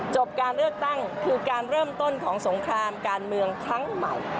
การเลือกตั้งคือการเริ่มต้นของสงครามการเมืองครั้งใหม่